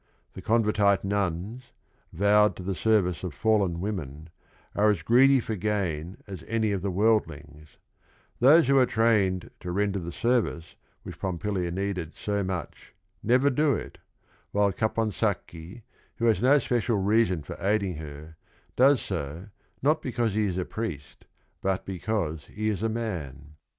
The C onver tite nuns, vowed to the service of fallen women7~ar& as gmaly fOF"gain as st ay uf the wui Idlings : Those who are trained to render the se rvice which Pompilia n eeded so much, never (\n\ L_ while Caponsacchi, who ha s no speciaiTeasonfor aiding her, does so not be caus e he i3 a pri c iat but because h e is a man.